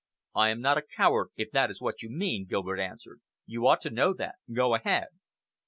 "I am not a coward, if that is what you mean," Gilbert answered. "You ought to know that. Go ahead."